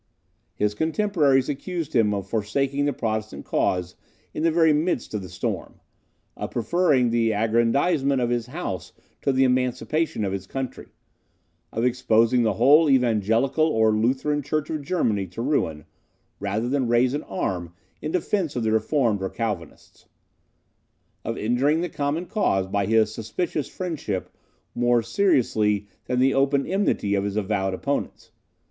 His cotemporaries accused him of forsaking the Protestant cause in the very midst of the storm; of preferring the aggrandizement of his house to the emancipation of his country; of exposing the whole Evangelical or Lutheran church of Germany to ruin, rather than raise an arm in defence of the Reformed or Calvinists; of injuring the common cause by his suspicious friendship more seriously than the open enmity of its avowed opponents.